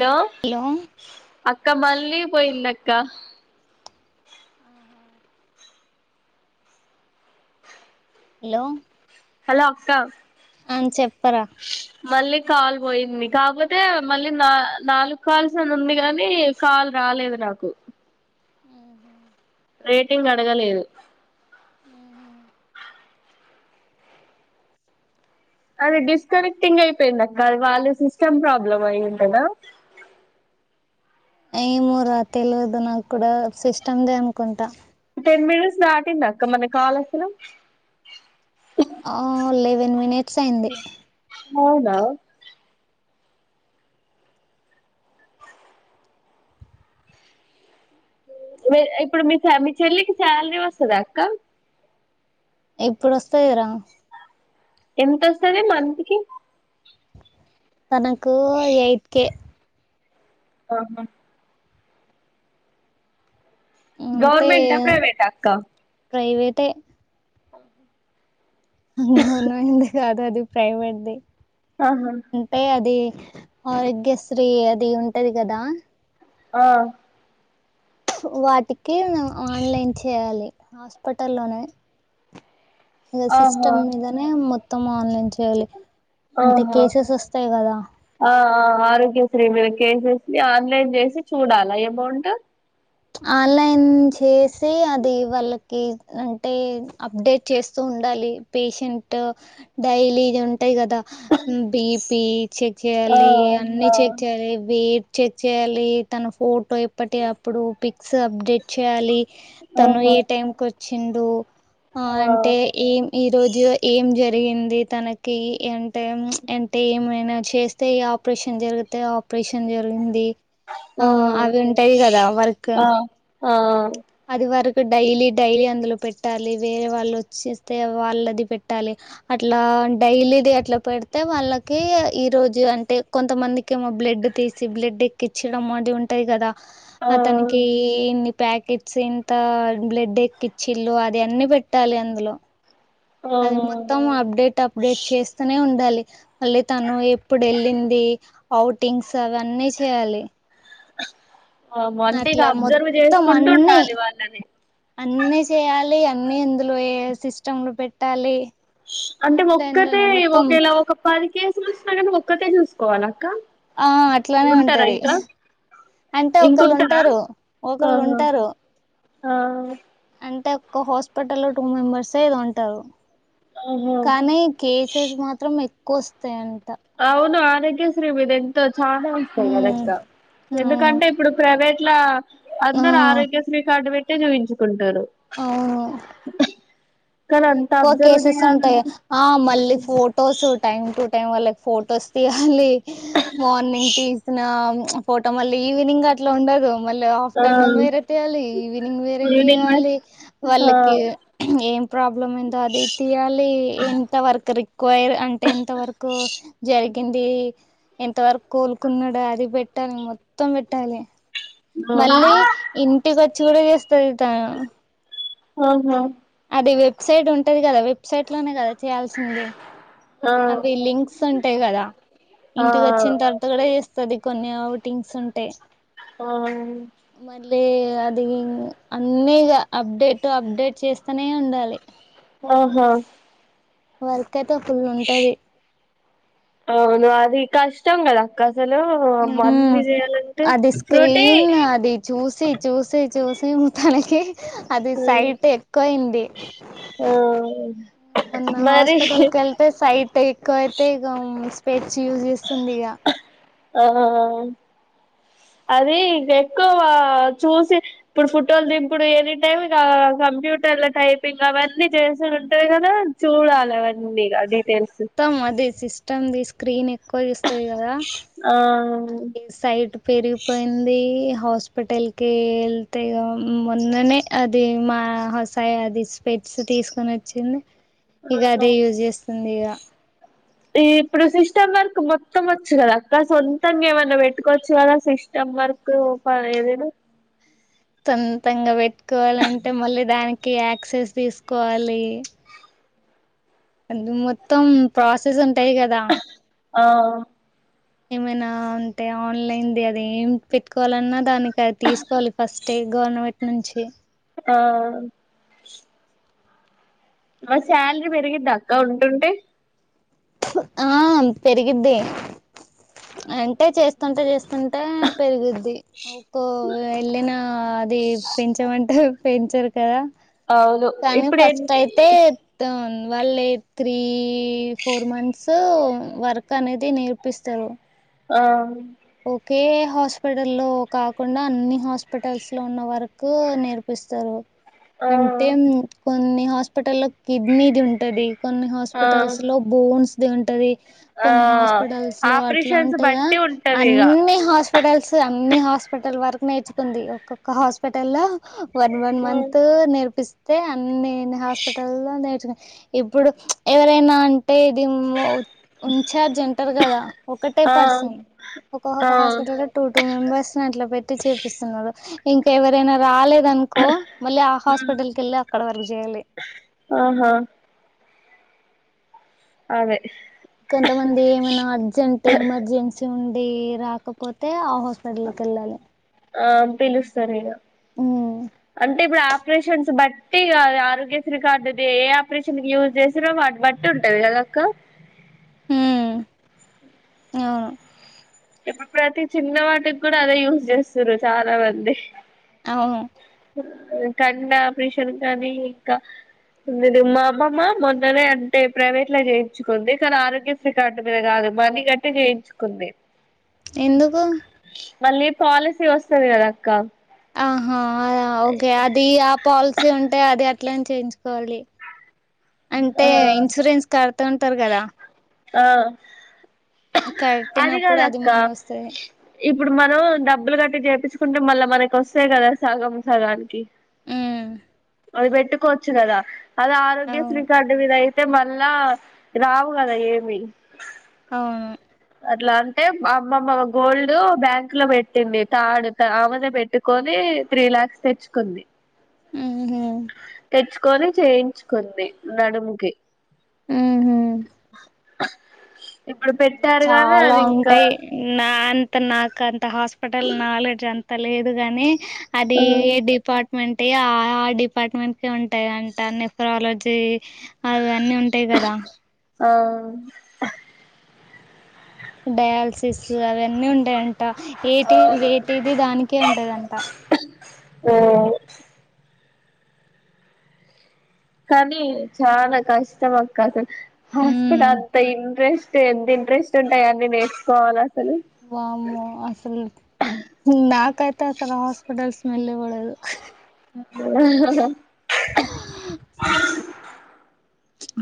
hello అక్క మళ్ళీ పోయింది అక్క హలో హలో అక్క హ చెప్పరా మళ్ళీ కాల్ పోయింది కాకపోతే మళ్ళీ నా నాలుగు కాల్స్ అనుంది కాని కాల్ రా రాలేదు నాకు ఆహా రేటింగ్ అడగలేదు అదే డిస్కనెక్టింగ్ అయిపోయిందక్క వాళ్ళు సిస్టమ్ ప్రాబ్లమ్ అయ్యుండదా ఏమో రా తెలియదు నాకు కూడా సిష్టందే అనుకుంటా టెన్ మినిట్స్ దాటిందా అక్క మన కాల్ అసలు ఆ లెవెన్ మినెట్స్ అయింది అవునా డు ఇప్పుడు మీ ఫ్యామి చెల్లికి సాలరీ వస్తదా అక్కా ఎప్పడొస్తయో రా ఎంతొస్తది మంత్ కి తనకూ ఎయిట్ కే ఆహా అంటే గవర్నమెంటా ప్రైవేటా అక్క ప్రైవేటే గవర్నమెంట్ ది కాదది ప్రైవేట్ ది ఆహా అంటే అది ఆరోగ్యశ్రీ అది ఉంటది కదా ఆ హ్ వాటికి ఆన్లైన్ చేయాలి హాస్పిటల్లోనే ఇక ఆహా సిస్టమ్ మీదనే మొత్తం ఆన్లైన్ చేయాలి అంటే ఆహా కేసెస్ వస్తాయి కదా ఆ ఆ ఆరోగ్యశ్రీ మీద కేసే మీ ఆన్లైన్ చేసి చూడాలా ఎకౌంటు ఆన్లైన్ చేసి అది వాళ్ళకి అంటే అప్డేట్ చేస్తూ ఉండాలి పేషెంట్ డైలీ ఉ టయి కదా బీపీ చెక్ ఆ చెయాలి అన్ని చెక్ చెయాలి బీ చెక్ చేయాలి తన ఫోటో ఇప్పటి అప్పుడు స్ అప్డేట్ చేయాలి తను ఆహా ఏ టైంకి వచ్చిండు ఆ అంటే ఏం ఈ రోజు ఏం జరి ఎంది తనకి అంటే అంటే ఏమైనా చేస్తే ఆపరేషన్ జరిగితే పేషన్ జరిగింది ఆ అవి ఉంటాయి కదా వర్క్ ఆ ఆ ఆ అది వర్క్ డైలీ డైలీ అందులో పెట్టాలి వేరే వాళ్ళు వచ్చేస్తే వాళ్ళది పెట్టాలి అట్లా డైలీది అట్లా పెడితే వాళ్ళకి ఈ రోజు అంటే కొంతమందికెమో బ్లడ్ తీసి బ్లడ్ ఎక్కించడం అది ఉంటది కదా అతనికి ఆహా ఇన్ని పాకే సెంత బ్లడ్ ఎక్కిచ్చిల్లు అది అన్ని పెట్టాలి అందులో అది మొత్తం అప్డేట్ అప్డేట్ చేస్తూనే ఉండాలి మళ్ళీ తను ఎప్పుడెళ్ళింది ఔటింగ్స్ అవన్నీ చేయాలి అమ్మె అంటే ఇక అట్లా అబ్జర్వ్ చేసుకుంటూ ఉండాలి వాళ్ళని అన్నీ చేయాలి అన్నీ ఇందులో ఏ సిస్టమ్లు పెట్టాలి అంటే ఆన్లైన్ ఒక్కతే లోనే మొత్తం ఒకేలా ఒక పది కేసులు వచ్చిన కానీ ఒక్కతే చూసుకోవాలా ఆ అట్లానే ఉంటది అంటే ఇంకుంటారా ఒకళ్ళుంటారు ఒకళ్ళు ఆహా ఉంటారు ఆ అంటే ఒక హాస్పిటల్ లో టూ మెంబెర్స్ ఎదొ ఉంటారు ఆహా కానీ కేసెస్ మాత్రం ఎక్కువ వస్తాయి అన్ అవును ఆరోగ్యశ్రీ మీదేన్ చానా వస్తాయి ఉమ్ కదాక్క అవును ఎందుకంటే ఇప్పుడు ప్రైవేట్లా ఆ అందరూ ఆరోగ్యశ్రీ కార్డు పెట్టే చూయించుకుంటారు ఆ కానీ అంత ఎక్కువ అబ్జర్వ్ కేసెస్ ఉంటాయి చేయాలంటే ఆ మళ్ళీ ఫొటోస్ టైమ్ టు టైం వాళ్ళకి ఫొటోస్ తీయాలి మార్నింగ్ తీసినా ఆ ఫోటో మళ్ళీ ఈవినింగ్ అట్లా ఉండదు మల్లా ఆ ఆఫ్టర్నూన్ వేరే తీయాలి ఈవినింగ్ వేరే యూనివర్స్ తీయాలి ఆ వాళ్ళకి ఏం ప్రాబ్లం ఏందో అది తీయాలి ఎంత వర్క్ రిక్వైర్ అంటే ఎంత వరకు జరిగింది ఎంత వరకు కోలుకున్నాడు అది పెట్టాలి మొత్తం పెట్టాలి ఆ మళ్ళీ ఇంటికొచ్చి కూడా చేస్తరు ట్రాన్ ఓహో అది వెబ్సైట్ ఉంటది కదా వెబ్సైట్ లోనే కదా చేయాల్సింది ఆ అవి లింక్స్ ఉంటాయి కదా ఆ ఇంటికి వచ్చిన తర్వాత కూడా చేస్తది కొన్ని అవుటింగ్స్ ఉంటయ్ ఆ మళ్ళీ అది అన్నీగ అప్డేట్ టు అప్డేట్ చేస్తనే ఉండాలి ఆహా వర్క్ అయితే ఫుల్ ఉంటది అవును అది కష్టంగదక్క మ్ అది ఫ్రూటీ స్క్రీన్ అది చూసి చూసి చూసి మ్ తనకి అది సైట్ ఎక్కువయింది ఆ ఆ మొన్నా మరి హాస్పిిటల్ కెళ్తే సైట్ ఎక్కువయితే ఇగా స్పెడ్స్ యూజ్ చేస్తుంది ఇగ ఆ ఆ అది ఇగ ఎక్కువ చూసి ఇప్పుడు ఫుటోలు దింపుడు ఎనీ టైమ్ ఇగా కంప్యూటర్ల టైపింగ్ అవన్నీ చేసుడు ఉంటాయి కదా అవును చూడాలవన్నీగా డీటెయిల్స్ మొత్తం అది సిస్టమ్ది స్క్రీన్ ఎక్కువ చూస్తది కదా ఆ అదే సైట్ పెరిగిపోయింది హాస్పిటల్ కి వెళ్తే ఇగ మొన్ననే అది మా హసాయి అది స్పెట్ తీసుకొని వచ్చింది ఇగ అదే యూజ్ చేస్తుంది ఇగ ఇప్పుడు సిస్టమ్ వర్క్ మొత్తం వచ్చు కదా అక్క సొంతంగా ఏమన్నా పెట్టుకోవచ్చు కదా సిస్టమ్ వర్కు పదైదును సొంతంగా పెట్టుకోవాలంటే మళ్ళీ దానికి యాక్సెస్ తీసుకోవాలి అందు మొత్తం ప్రాసెస్ ఉంటాయి కదా ఆ ఏమైనా అంటే ఆన్లైన్ది అది ఏం పెట్టుకోవాలన్నా దానికి అది తీసుకోవాలి ఫస్టే గవర్నమెంట్ నుంచి ఆ ఆ శాలరీ పెరిగిద్ద అక్క ఉంటుంటే ఆ పెరిగిద్ది అంటే చేస్తుంటే చేస్ అంటే పెరిగిద్ది ఒక్కో వెళ్ళిన అది పెంచమంటే పెంచరు కదా అవును కానీ ఇప్పుడు ఎ ఫస్ట్ అయితే త వాళ్ళ త్రీ కు వర్క్ అనేది నేర్పిస్తారు ఆ ఒకె హాస్పిటల్ లో కాకుండా అన్ని హాస్పిటల్స్ లో ఉన్న వర్క్ నేర్పి స్తరు ఆ అంటే కొన్ని హాస్పిటల్ లో కిడ్నీది ఉంటది కొన్ని ఆ హాస్పిటల్స్ లో బోన్స్ది ఉంటది ఆ కొన్ని హాస్పిటల్స్ లో అట్లా ఆపరేషన్స్ ఉంటయా బట్టి ఉంటది ఇగ అన్నీ హాస్పిటల్స్ అన్ని హాస్పిటల్ వరకు నేర్చుకుంది ఒక్కొక్క హాస్పిటల్ లో వన్ వన్ మంత్ నేర్పిస్తే అన్ని హాస్పిటల్ లో నేర్చుకు ఇప్పుడు ఎవరైనా అం టే ఇది ఉన్ఛార్జ్ ఉంటారు కదా ఒకటే ఆ పర్సన్ ఆ ఒక్కొక్క హాస్పిటల్ లో టూ టూ మెంబెర్స్ ని అట్లా పెట్టి చేపిస్తున్నారు ఇంకా ఎవరైనా రాలే దనుకో మళ్ళీ ఆ హాస్పిటల్ కెళ్ళి అక్కడ వర్కు చేయాలి ఆహా అదే కొంతమంది ఏమైనా అర్జెంట్ ఎమర్జెన్సీ ఉండి రాకపోతే ఆ హాస్పిటల్ కి వెళ్ళాలి ఆ పిలుస్తారు ఇగ ఉమ్ అంటే ఇప్పుడు ఆ ఆపరేషన్స్ బట్టి ఇ ఆరోగ్యశ్రీ కార్డుది ఏ ఆపరేషన్ యూజ్ చేసిరో వాటి బట్టి ఉంటది కదక్క ఉ ఆవును ఇప్పుడు ప్రతి చిన్న వాటికి కూడా అదే యూజ్ చేస్తురు చాలా మంది అవును కన్నా ప్రిషన్ కాని ఇంకా మీరు మా అమ్మమ్మ మొన్ననే అంటే ప్రైవేట్ ల చేయించుకుంది కానీ ఆరోగ్యశ్రీ కార్డు మీద కాదు మనీ గట్టి చేయించుకుంది ఎందుకు మళ్ళీ పాలసీ వస్తది కదా అక్క ఆహా అదా ఓకే అది ఆ పాలసీ ఉంటే అది అట్లనె చేయించుకోవాలి అంటే ఆ ఇన్సూరెన్స్ కడుతుంటారు కదా ఆ అది కట్టినప్పుడు కాదక్క మనీ వస్తది ఇప్పుడు మనం డబ్బులు కట్టి చేపించుకుంటే మళ్ళా మనకి వస్తాయి కదా సగం సగానికి ఉ అది పెట్టుకోవచ్చు కదా అద అవును ఆరోగ్యశ్రీకార్డు మీద ఐ అంటే మళ్ళా రావు కదా ఏమి అవును అట్లా అంటే అమ్మమ్మ గోల్డ్ బ్యాంక్ లో పెట్టింది థాడ్ ఆమెదె పెట్టుకొని త్రీ లాక్స్ తెచ్చుకుంచి ఉ హు తీసుకొని చేయించుకుంది నడుముకి ఉ హు ఇప్పుడు అందులో పెట్టారు గానీ చాలా అది ఇంకా ఉంటాయి నాన్ త నాకంత హాస్పిటల్ నాలెడ్జ్ అంత లేదు గాని అది ఆ ఏ డిపా వంటే ఆ ఆ డిపార్ట్మెంట్ కె ఉంటాయి అంట నఫరాలజీ అవన్నీ ఉంటాయి కదా ఆవున్ డయాలసిస్ అవన్ని ఉంటాయంట ఏటి వేటిది దానికే ఉంటదంట ఉమ్ కానీ చాలా కష్టం అక్క అసలు ఉమ్ హాస్పిటల్ అంత ఇంట్రెస్ట్ టే ఎంత ఇంట్రెస్ట్ ఉంటాయ నేను నేర్చుకోవాలే వామ్మో అసలు నాకైతే అసలు హాస్పిటల్స్ స్మెల్లే పడదు ఆఆ హా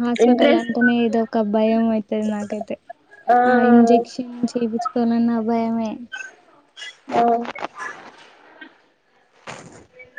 హాస్పిటల్ ఇంట్రెస్ట్ అంటేనే ఏదో ఒక భయం అయితది నాకైతే ఆ ఇంజెక్షన్ చేపించుకోవలన భయమే ఆవున్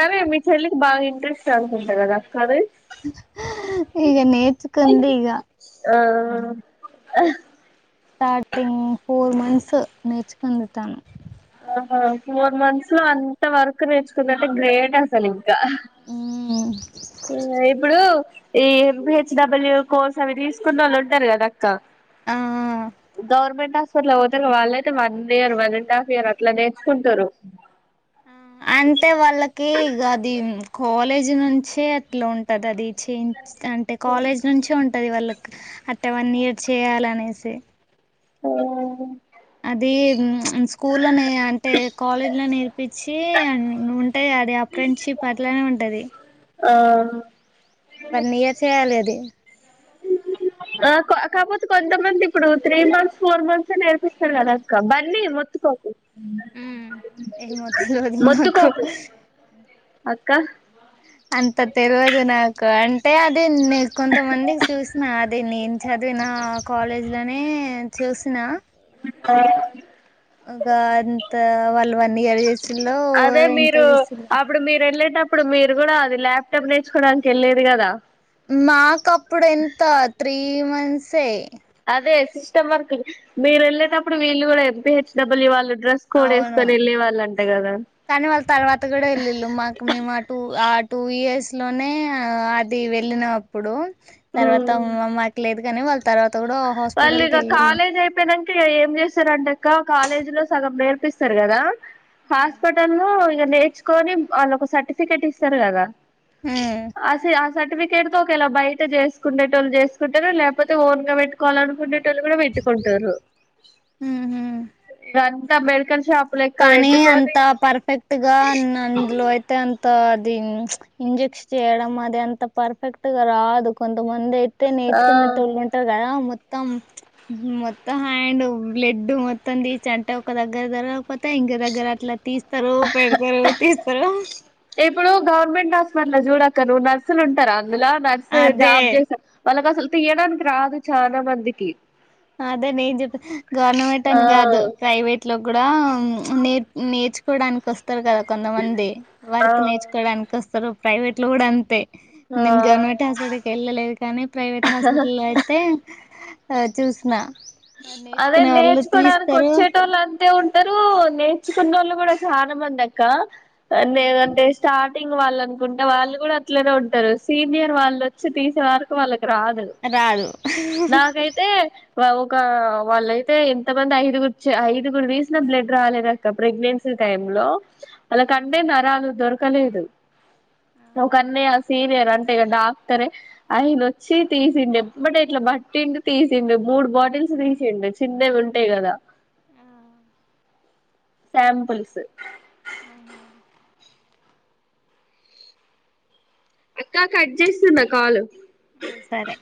సరే మీ చెల్లికి బాగా ఇంట్రెస్ట్ అనుకుంట కదా కాలేజ్ ఈగ నేర్చుకుంది ఈగ ఆ స్టార్స్టింగ్ ఫోర్ మంత్స్ నేర్చుకుంది తాను ఫోర్ మంత్స్ లో అంత వర్క్ నేర్చుకుందంటే గ్రేట్ ఆస్ సలింకా మ్మ్ ఇప్పుడు ఈ M P H W course అవి తీసుకున్నోళ్లు ఉంటారు కదా కా ఆ గవర్నమెంట్ హాస్పిటల్ పోతె వాళ్లు ఐతే ఇయర్ వన్ అండ్ ఆఫ్ ఇ ఇయర్ అట్లా నేర్చుకుంటారు కాలేజ్ నుంచే అట్లా ఉంటది అది చేఇంచు అంటే కాలేజ్ నుంచే ఉం టది వాళ్ళకు అట్టే వన్ ఇయర్ చేయాలనేసి ఆ అది స్కూల్ లానే అంటే కాలేజ్ లో నేర్పించి ఆం ఉంటాయి గా అది ఆ ఫ్రెండ్షిప్ అట్లానే ఉంటది ఆ వన్ ఇయర్ చేయాలి అది ఆ కో కాపోతే కొంతమంది ఇప్పుడు త్రీ మంత్స్ ఫోర్ మంత్స్ ఎ నేర్పిస్తారు కదా అక్క బన్నీ మొత్తుకోక ఉమ్ ఏమో తెల్వదు నాకు మొత్తుకోకు అక్క అంత తెలవదు నాకు అ టే అది నేను కొంతమందికి చూసినా అది నేను చదివిన కాలేజ్ లోనే చూసిన అఓ ఒక అంత వాళ్ళు వన్ ఇయర్ చేసి అదే మీరు ఆప్పుడు మీరు ఎల్లే అంటే అపుడు మీరు కూడా అది ల్యాప్టాప్ నేర్చుకోడానికి వెళ్ళేది కదా మాకు అప్పుడు ఎంత త్రీ మంత్సే అదే సిస్టం వర్క్ మీరు వెళ్ళేటప్పుడు వీళ్ళు కూడా ఎపీహెచ్డబ్ల్యూ వాళ్ళు డ్రెస్ కోడ్ అవును వేసుకొని వెళ్ళే వాళ్ళు అంట కదా కానీ వాళ్ళు తర్వాత గూడా ఎళ్ళిళ్ళు మాకు మేము ఆ టూ ఆ టూ ఇయర్స్ లోనే ఆది వెళ్ళినం అప్పుడు తర్వాత మాకు లేదు గని వాళ్ళు తర్వా వాళ్ళు ఇగ కాలేజ్ అయిపోయినంక ఇగ ఏం చేశారుంటె అక్క కాలేజ్ లో సగం నేర్ పిస్తరు గదా ఉమ్ హాస్పిటల్లో నేర్చుకొని వాళ్ళకు సర్టిఫికెట్ ఇస్తారు గదా ఆ సి అ సర్టిఫికేట్ తో ఒకవెల బయట జేసుకుండెటోళ్ళు జేసుకుంటరు లేపోతే ఓన్ గా వెట్టు కొవాలనుకునేటోళ్ళు గూడ వెట్టుకుంటరు ఉమ్ ఉహు అంతా మెడికల్ షాప్ లెక్క కానీ పెట్టుకొని అంత పర్ఫెక్ట్ గా అన్ అందులో అయితే అంత దీ ఇంజెక్ష్ చేయడం అది అంత పర్ఫెక్ట్ గా రాదు కొన్ తమందైతే ఆ నేచ్చుకొనె టోళ్ళు ఉంటరు గదా మొత్ త్తం మొత్తం హ్యాండ్ బ్లెడ్ మొత్తం దీచంట ఒక దగ్గర దర పొత ఇంక దగ్గర అట్ల తీస్తరు పెడతరు తీస్తరు ఇప్పుడు గవర్నమెంట్ హాస్పిటల్ చూడక్క నువ్వు నర్సులు ఉంటరా అందులో నర్సె అదే జాబ్ జేస్ వాళ్ళకి అసలు తీయడానికి రాదు చానా మందికి అదే నేను జేప్ప్ గవర్నమెంట్ ఆ అని గాదు ప్రైవేట్ లో గూడా నెర్ నె ర్చుకోడానికి ఒస్తారు గదా కొంతమంది ఆ వర్క్ నేర్చుకోడానికి ఒస్తారు ప్రైవేట్ లొ గూడా అంతే నేను ఆ గవర్నమెంట్ హాస్పిటల్కి ఎళ్ళలేదు కానీ ప్రైవేట్ హాస్పిటల్ లొ అయితే అ చూసిన అదే నేర్చుకోడానికి తీస్తారు వచ్చేటోళ్ళు అంతే ఉన్ టరు నేర్చుకున్నోళ్ళు గూడా చాన మంది అక్క అన్నె అంటే స్టార్టింగ్ వాళ్ళనుకుంటే వాళ్ళు గూడ అట్లనే ఉంటరు సీనియర్ వాళ్ళు ఒచ్చి తీసే వరకు వాళ్ళకి రాదు రాదు నాకైతే ఒక ఆ వాళ్ళయితే ఎంత మంది ఐదుగుర్ ఐదుగురు తీసినా బ్లడ్ రాలేదక్క ప్రెగ్నెన్సీ టైం లో వళ్ళ కంటే ఆహా నరాలు దొరకలేదు ఆహా ఒకన్నయ్య సీనియర్ అంటే ఇగ డాక్టరే అయన వచ్చి తీసిండు ఎమ్మటే ఇట్ల బట్టిండు తీసిండు మూడు బాటిల్స్ తీసిండు చిన్నవి ఉంటయి గదా ఆ సాంపుల్స్ ఆహా అక్కా కట్ జేస్తున్న కాలు సరే